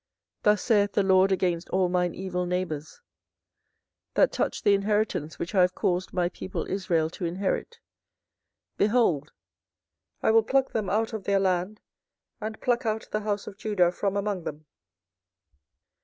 24:012:014 Thus saith the LORD against all mine evil neighbours, that touch the inheritance which I have caused my people Israel to inherit; Behold, I will pluck them out of their land, and pluck out the house of Judah from among them.